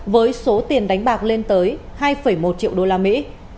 với số tiền đánh bạc lên tới hai một triệu đô la mỹ